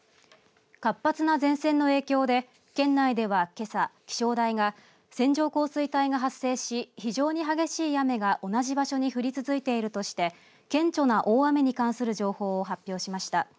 活発な前線の影響で県内ではけさ、気象台が線状降水帯が発生し非常に激しい雨が同じ場所に降り続いているとして顕著な大雨に関する情報を発表しました。